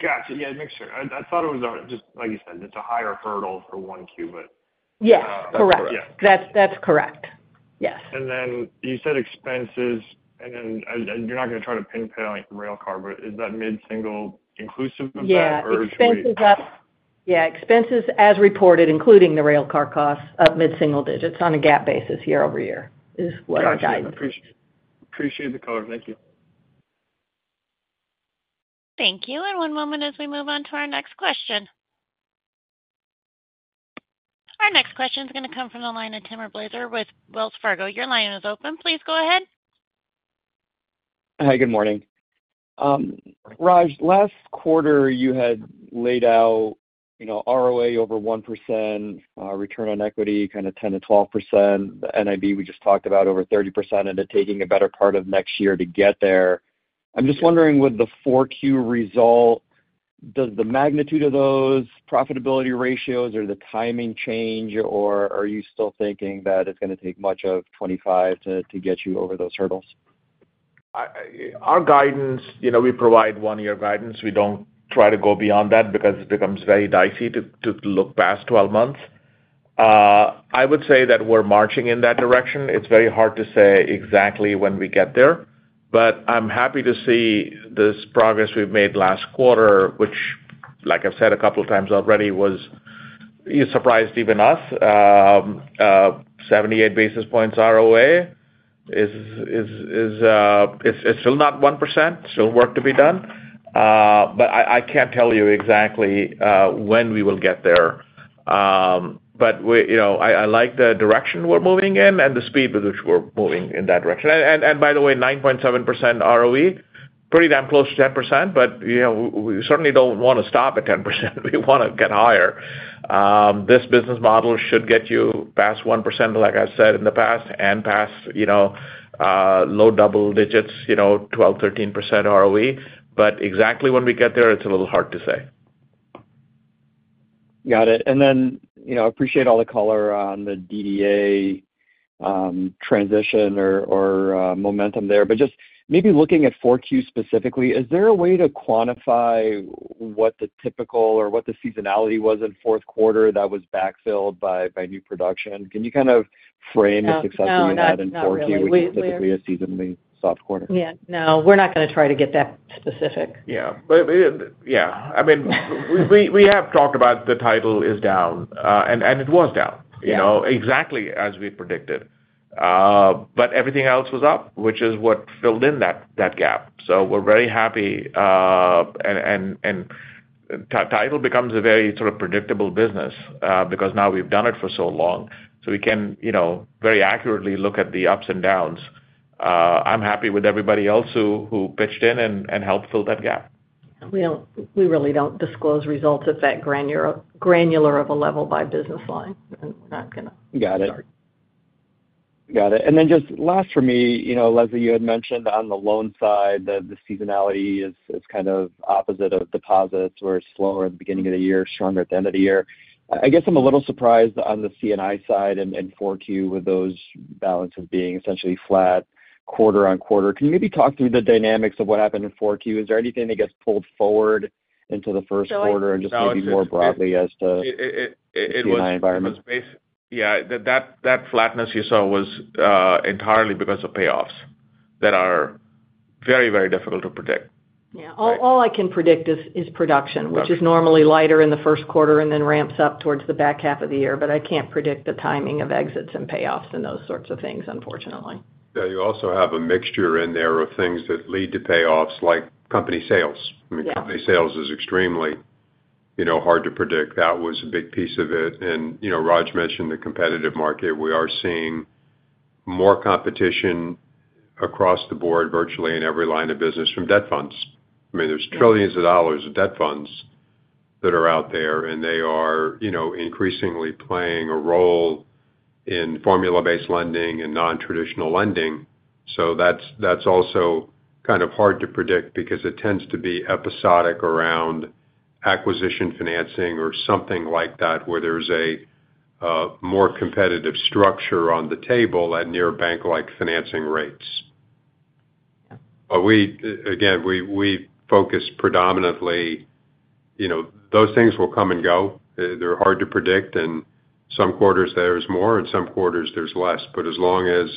S7: Gotcha. Yeah. I thought it was just like you said, it's a higher hurdle for one Q, but.
S5: Yes. Correct. That's correct. Yes.
S7: And then you said expenses, and then you're not going to try to pinpoint rail car, but is that mid-single inclusive of that, or should we?
S5: Yeah. Expenses as reported, including the rail car costs, up mid-single digits on a GAAP basis year over year is what our guidance is.
S7: Appreciate the color. Thank you.
S1: Thank you, and one moment as we move on to our next question. Our next question is going to come from the line of Timur Braziler with Wells Fargo. Your line is open. Please go ahead.
S8: Hey. Good morning.
S7: Raj, last quarter, you had laid out ROA over 1%, return on equity kind of 10%-12%, the NIB we just talked about over 30%, and it taking a better part of next year to get there. I'm just wondering, with the Q4 result, does the magnitude of those profitability ratios or the timing change, or are you still thinking that it's going to take much of 2025 to get you over those hurdles?
S3: Our guidance, we provide one-year guidance. We don't try to go beyond that because it becomes very dicey to look past 12 months. I would say that we're marching in that direction. It's very hard to say exactly when we get there, but I'm happy to see this progress we've made last quarter, which, like I've said a couple of times already, was surprised even us. 78 basis points ROA is still not 1%. Still work to be done, but I can't tell you exactly when we will get there, but I like the direction we're moving in and the speed with which we're moving in that direction, and by the way, 9.7% ROE, pretty damn close to 10%, but we certainly don't want to stop at 10%. We want to get higher. This business model should get you past 1%, like I've said in the past, and past low double digits, 12-13% ROE. But exactly when we get there, it's a little hard to say.
S8: Got it. And then I appreciate all the color on the DDA transition or momentum there. But just maybe looking at Q4 specifically, is there a way to quantify what the typical or what the seasonality was in fourth quarter that was backfilled by new production? Can you kind of frame the success of that in Q4, which is typically a seasonally soft quarter?
S5: Yeah. No. We're not going to try to get that specific.
S3: Yeah. Yeah. I mean, we have talked about the title is down, and it was down exactly as we predicted, but everything else was up, which is what filled in that gap, so we're very happy, and title becomes a very sort of predictable business because now we've done it for so long, so we can very accurately look at the ups and downs. I'm happy with everybody else who pitched in and helped fill that gap.
S5: We really don't disclose results at that granular of a level by business line. We're not going to.
S8: Got it. Got it. And then just last for me, Leslie, you had mentioned on the loan side that the seasonality is kind of opposite of deposits, where it's slower at the beginning of the year, stronger at the end of the year. I guess I'm a little surprised on the C&I side and 4Q with those balances being essentially flat quarter on quarter. Can you maybe talk through the dynamics of what happened in 4Q? Is there anything that gets pulled forward into the first quarter and just maybe more broadly as to the environment?
S3: Yeah. That flatness you saw was entirely because of payoffs that are very, very difficult to predict.
S5: Yeah. All I can predict is production, which is normally lighter in the first quarter and then ramps up towards the back half of the year. But I can't predict the timing of exits and payoffs and those sorts of things, unfortunately.
S4: Yeah. You also have a mixture in there of things that lead to payoffs like company sales. I mean, company sales is extremely hard to predict. That was a big piece of it. And Raj mentioned the competitive market. We are seeing more competition across the board virtually in every line of business from debt funds. I mean, there's trillions of dollars of debt funds that are out there, and they are increasingly playing a role in formula-based lending and non-traditional lending. So that's also kind of hard to predict because it tends to be episodic around acquisition financing or something like that, where there's a more competitive structure on the table at near bank-like financing rates. But again, we focus predominantly those things will come and go. They're hard to predict. And some quarters, there's more, and some quarters, there's less. But as long as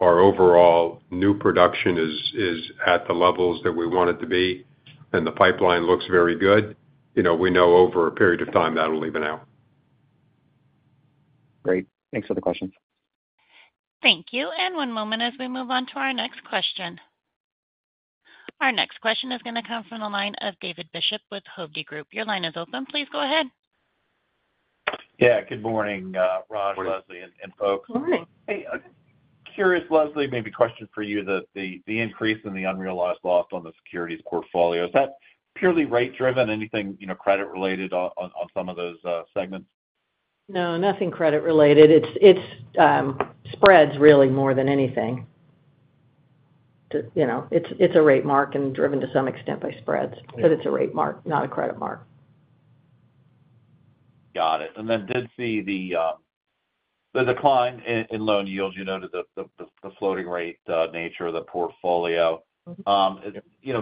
S4: our overall new production is at the levels that we want it to be and the pipeline looks very good, we know over a period of time that'll even out.
S8: Great. Thanks for the questions.
S1: Thank you, and one moment as we move on to our next question. Our next question is going to come from the line of David Bishop with Hovde Group. Your line is open. Please go ahead.
S9: Yeah. Good morning, Raj, Leslie, and folks.
S5: Morning.
S9: Hey. Curious, Leslie, maybe question for you, the increase in the unrealized loss on the securities portfolio. Is that purely rate-driven? Anything credit-related on some of those segments?
S5: No. Nothing credit-related. It's spreads, really, more than anything. It's a rate mark and driven to some extent by spreads, but it's a rate mark, not a credit mark.
S9: Got it, and then did see the decline in loan yields. You noted the floating rate nature of the portfolio.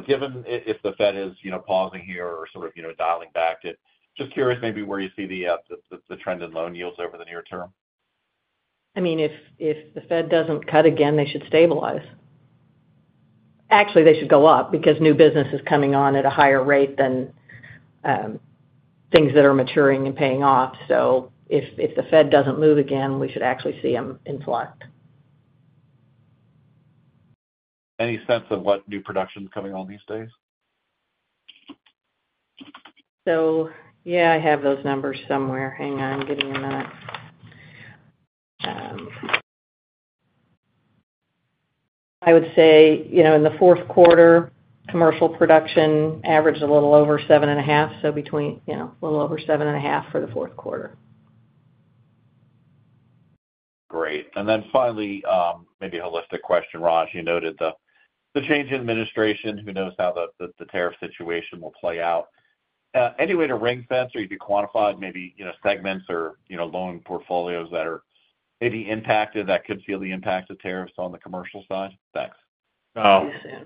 S9: Given if the Fed is pausing here or sort of dialing back, just curious maybe where you see the trend in loan yields over the near term?
S5: I mean, if the Fed doesn't cut again, they should stabilize. Actually, they should go up because new business is coming on at a higher rate than things that are maturing and paying off. So if the Fed doesn't move again, we should actually see them in flux.
S9: Any sense of what new production's coming on these days?
S5: Yeah, I have those numbers somewhere. Hang on. Give me a minute. I would say in the fourth quarter, commercial production averaged a little over seven and a half, so a little over seven and a half for the fourth quarter.
S9: Great. And then finally, maybe a holistic question, Raj. You noted the change in administration. Who knows how the tariff situation will play out? Any way to ring-fence or you could quantify maybe segments or loan portfolios that are maybe impacted that could feel the impact of tariffs on the commercial side? Next.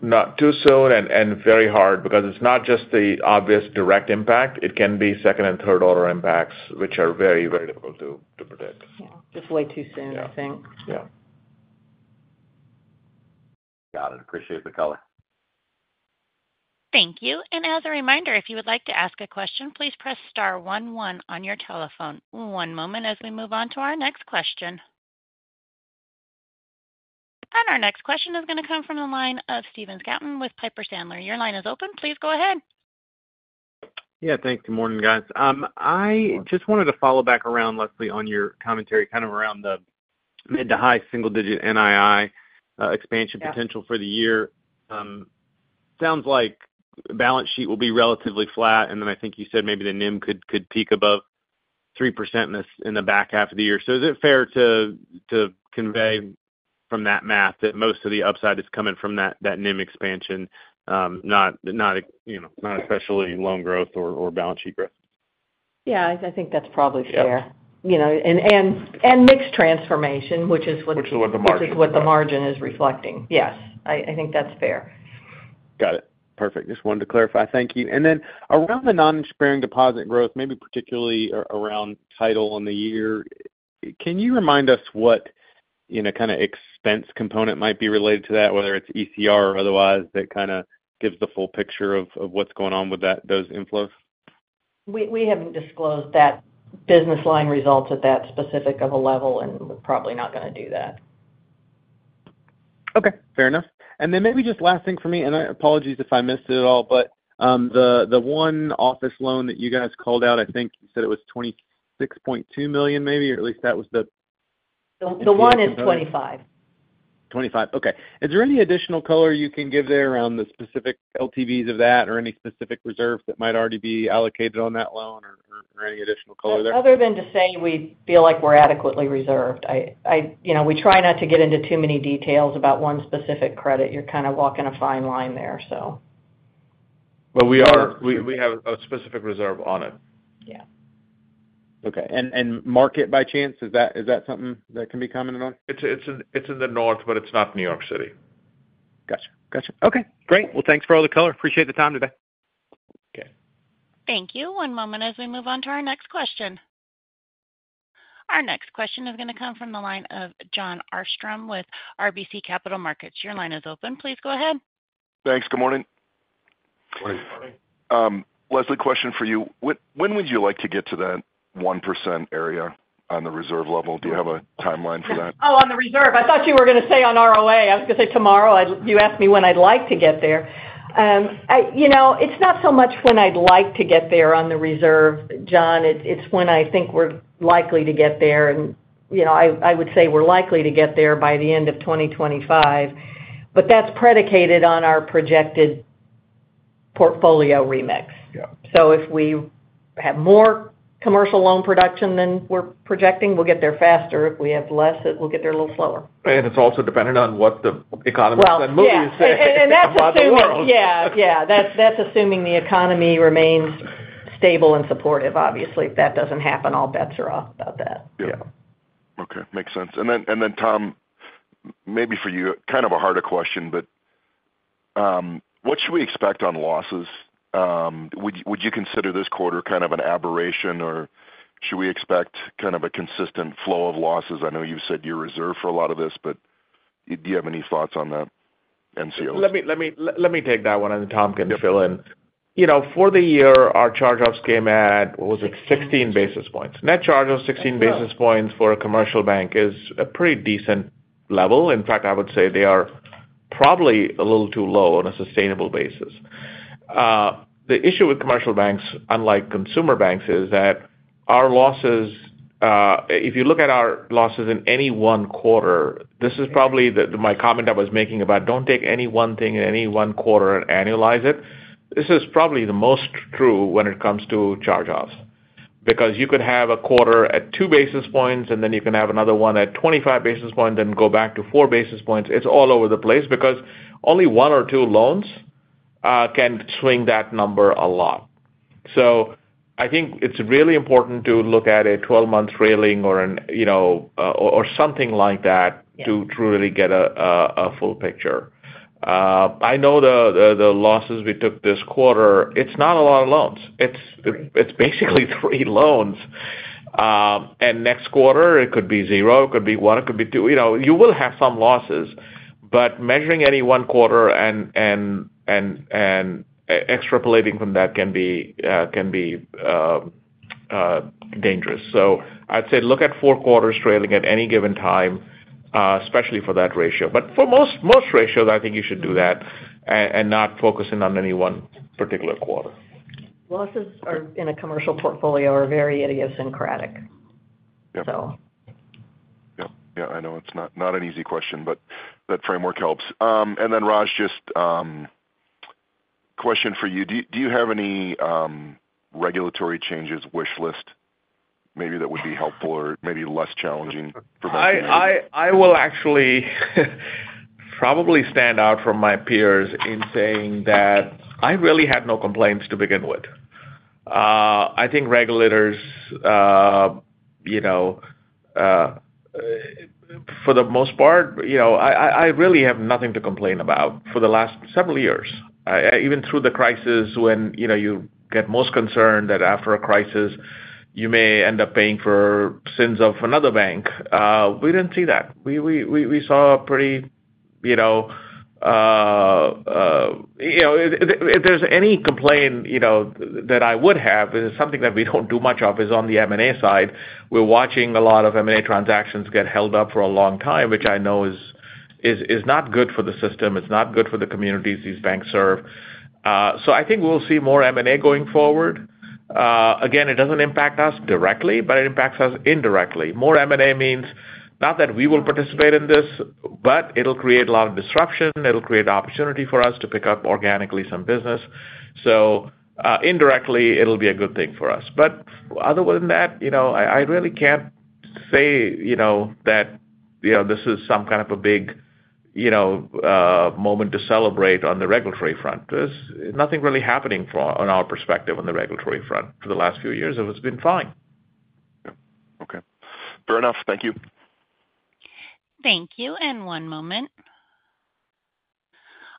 S3: Not too soon, and very hard because it's not just the obvious direct impact. It can be second and third-order impacts, which are very, very difficult to predict.
S5: Yeah. Just way too soon, I think.
S3: Yeah. Yeah.
S9: Got it. Appreciate the color.
S1: Thank you. And as a reminder, if you would like to ask a question, please press star 11 on your telephone. One moment as we move on to our next question. And our next question is going to come from the line of Stephen Scouten with Piper Sandler. Your line is open. Please go ahead.
S10: Yeah. Thanks. Good morning, guys. I just wanted to follow back around, Leslie, on your commentary kind of around the mid to high single-digit NII expansion potential for the year. Sounds like balance sheet will be relatively flat. And then I think you said maybe the NIM could peak above 3% in the back half of the year. So is it fair to convey from that math that most of the upside is coming from that NIM expansion, not especially loan growth or balance sheet growth?
S5: Yeah. I think that's probably fair and mix transformation, which is what the margin is reflecting. Yes. I think that's fair.
S10: Got it. Perfect. Just wanted to clarify. Thank you. And then around the non-interest-bearing deposit growth, maybe particularly around the tail end of the year, can you remind us what kind of expense component might be related to that, whether it's ECR or otherwise, that kind of gives the full picture of what's going on with those inflows?
S5: We haven't disclosed that business line results at that specific of a level and we're probably not going to do that.
S10: Okay. Fair enough. And then maybe just last thing for me, and apologies if I missed it at all, but the one office loan that you guys called out, I think you said it was $26.2 million maybe, or at least that was the.
S5: The one is 25.
S10: Okay. Is there any additional color you can give there around the specific LTVs of that or any specific reserves that might already be allocated on that loan or any additional color there?
S5: Other than to say we feel like we're adequately reserved. We try not to get into too many details about one specific credit. You're kind of walking a fine line there, so.
S3: But we have a specific reserve on it.
S5: Yeah.
S10: Okay. And market by chance, is that something that can be commented on?
S3: It's in the North, but it's not New York City.
S10: Gotcha. Gotcha. Okay. Great. Well, thanks for all the color. Appreciate the time today.
S3: Okay.
S1: Thank you. One moment as we move on to our next question. Our next question is going to come from the line of Jon Arfstrom with RBC Capital Markets. Your line is open. Please go ahead.
S11: Thanks. Good morning.
S9: Good morning.
S11: Leslie, question for you. When would you like to get to that 1% area on the reserve level? Do you have a timeline for that?
S5: Oh, on the reserve. I thought you were going to say on ROA. I was going to say tomorrow. You asked me when I'd like to get there. It's not so much when I'd like to get there on the reserve, Jon. It's when I think we're likely to get there. And I would say we're likely to get there by the end of 2025. But that's predicated on our projected portfolio remix. So if we have more commercial loan production than we're projecting, we'll get there faster. If we have less, we'll get there a little slower.
S3: It's also dependent on what the economy is saying.
S5: That's assuming the economy remains stable and supportive, obviously. If that doesn't happen, all bets are off about that.
S11: Yeah. Okay. Makes sense. And then, Tom, maybe for you, kind of a harder question, but what should we expect on losses? Would you consider this quarter kind of an aberration, or should we expect kind of a consistent flow of losses? I know you've said you're reserved for a lot of this, but do you have any thoughts on that NCO?
S3: Let me take that one, and Tom can fill in. For the year, our charge-offs came at, what was it, 16 basis points. Net charge of 16 basis points for a commercial bank is a pretty decent level. In fact, I would say they are probably a little too low on a sustainable basis. The issue with commercial banks, unlike consumer banks, is that our losses, if you look at our losses in any one quarter, this is probably my comment I was making about don't take any one thing in any one quarter and annualize it. This is probably the most true when it comes to charge-offs because you could have a quarter at two basis points, and then you can have another one at 25 basis points and go back to four basis points. It's all over the place because only one or two loans can swing that number a lot. So I think it's really important to look at a 12-month rolling or something like that to truly get a full picture. I know the losses we took this quarter. It's not a lot of loans. It's basically three loans, and next quarter it could be zero. It could be one. It could be two. You will have some losses, but measuring any one quarter and extrapolating from that can be dangerous, so I'd say look at four quarters trailing at any given time, especially for that ratio, but for most ratios, I think you should do that and not focus in on any one particular quarter.
S5: Losses in a commercial portfolio are very idiosyncratic, so.
S11: I know it's not an easy question, but that framework helps. And then, Raj, just a question for you. Do you have any regulatory changes wish list maybe that would be helpful or maybe less challenging for most people?
S3: I will actually probably stand out from my peers in saying that I really had no complaints to begin with. I think regulators, for the most part, I really have nothing to complain about for the last several years. Even through the crisis when you get most concerned that after a crisis, you may end up paying for sins of another bank, we didn't see that. We saw. If there's any complaint that I would have is something that we don't do much of on the M&A side. We're watching a lot of M&A transactions get held up for a long time, which I know is not good for the system. It's not good for the communities these banks serve. So I think we'll see more M&A going forward. Again, it doesn't impact us directly, but it impacts us indirectly. More M&A means not that we will participate in this, but it'll create a lot of disruption. It'll create opportunity for us to pick up organically some business. So indirectly, it'll be a good thing for us. But other than that, I really can't say that this is some kind of a big moment to celebrate on the regulatory front. There's nothing really happening from our perspective on the regulatory front. For the last few years, it's been fine.
S11: Yeah. Okay. Fair enough. Thank you.
S1: Thank you and one moment.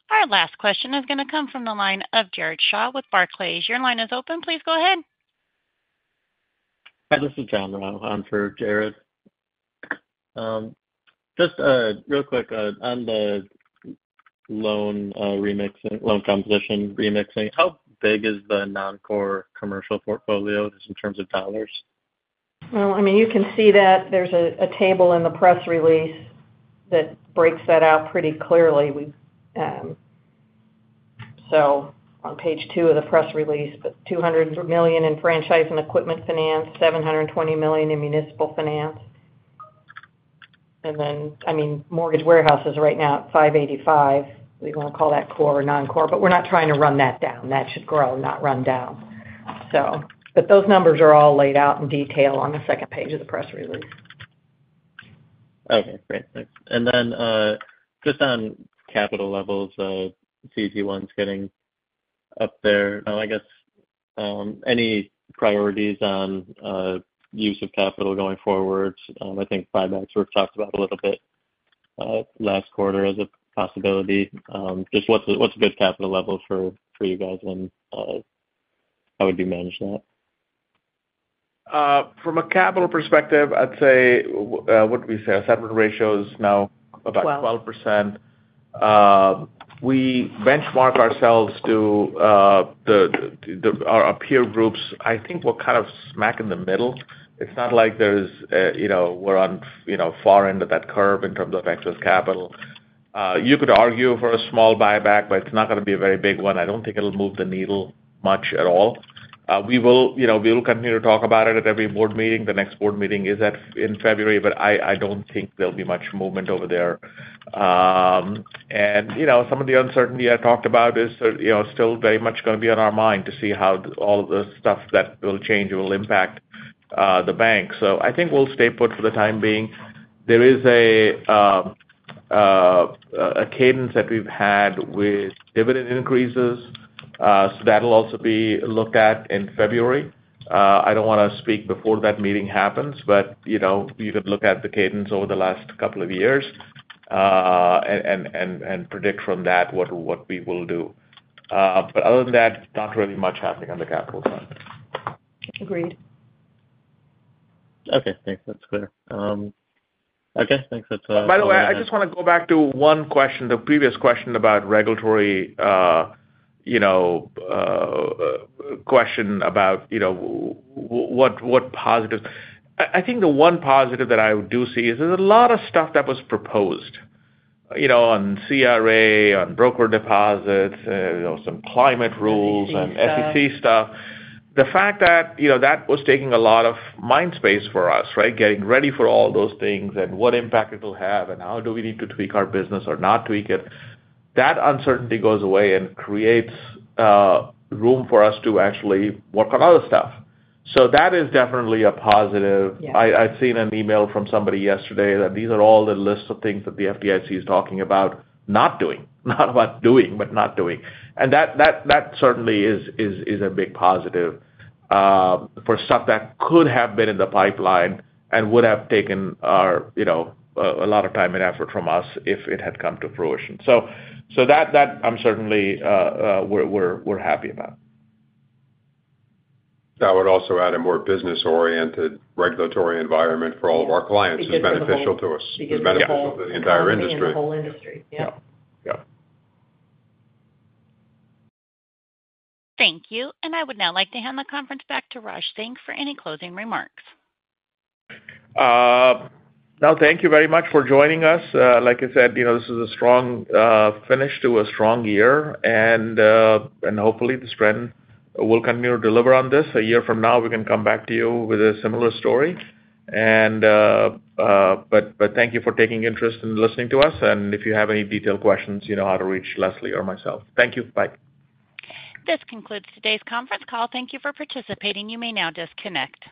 S1: Our last question is going to come from the line of Jared Shaw with Barclays. Your line is open. Please go ahead.
S12: Hi. This is John Rao for Jared. Just real quick on the loan remixing, loan composition remixing, how big is the non-core commercial portfolio just in terms of dollars?
S5: I mean, you can see that there's a table in the press release that breaks that out pretty clearly. On page two of the press release, $200 million in franchise and equipment finance, $720 million in municipal finance. Then, I mean, mortgage warehouses right now at $585 million. We want to call that core or non-core, but we're not trying to run that down. That should grow, not run down. Those numbers are all laid out in detail on the second page of the press release.
S13: Okay. Great. Thanks. And then just on capital levels, CET1's getting up there. I guess any priorities on use of capital going forward? I think buybacks were talked about a little bit last quarter as a possibility. Just what's a good capital level for you guys and how would you manage that?
S4: From a capital perspective, I'd say what do we say? Our CET1 ratio is now about 12%. We benchmark ourselves to our peer groups. I think we're kind of smack in the middle. It's not like we're on the far end of that curve in terms of excess capital. You could argue for a small buyback, but it's not going to be a very big one. I don't think it'll move the needle much at all. We will continue to talk about it at every board meeting. The next board meeting is in February, but I don't think there'll be much movement over there. And some of the uncertainty I talked about is still very much going to be on our mind to see how all of the stuff that will change will impact the bank. So I think we'll stay put for the time being. There is a cadence that we've had with dividend increases. So that'll also be looked at in February. I don't want to speak before that meeting happens, but you can look at the cadence over the last couple of years and predict from that what we will do. But other than that, not really much happening on the capital front.
S5: Agreed.
S3: Okay. Thanks. That's clear. Okay. Thanks. That's all. By the way, I just want to go back to one question, the previous question about regulatory question about what positives. I think the one positive that I do see is there's a lot of stuff that was proposed on CRA, on brokered deposits, some climate rules, and SEC stuff. The fact that that was taking a lot of mind space for us, right, getting ready for all those things and what impact it will have and how do we need to tweak our business or not tweak it, that uncertainty goes away and creates room for us to actually work on other stuff. So that is definitely a positive. I've seen an email from somebody yesterday that these are all the lists of things that the FDIC is talking about not doing. Not about doing, but not doing. That certainly is a big positive for stuff that could have been in the pipeline and would have taken a lot of time and effort from us if it had come to fruition. That, we're happy about. That would also add a more business-oriented regulatory environment for all of our clients. It's beneficial to us. It's beneficial to the entire industry.
S5: Yeah. It's beneficial to the whole industry. Yeah.
S3: Yeah. Yeah.
S1: Thank you. And I would now like to hand the conference back to Raj Singh for any closing remarks.
S3: Now, thank you very much for joining us. Like I said, this is a strong finish to a strong year. And hopefully, the strength will continue to deliver on this. A year from now, we can come back to you with a similar story. But thank you for taking interest in listening to us. And if you have any detailed questions, you know how to reach Leslie or myself. Thank you. Bye.
S1: This concludes today's conference call. Thank you for participating. You may now disconnect.